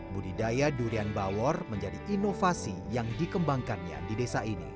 budidaya durian bawor menjadi inovasi yang dikembangkannya di desa ini